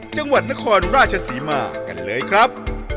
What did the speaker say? จังหวัดนครราชศรีมากันเลยครับ